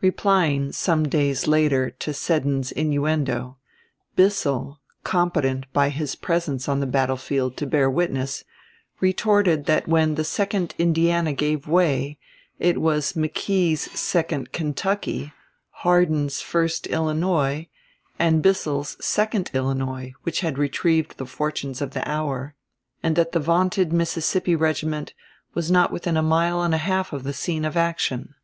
Replying some days later to Seddon's innuendo, Bissell, competent by his presence on the battle field to bear witness, retorted that when the 2d Indiana gave way, it was McKee's 2d Kentucky, Hardin's 1st Illinois, and Bissell's 2d Illinois which had retrieved the fortunes of the hour, and that the vaunted Mississippi regiment was not within a mile and a half of the scene of action.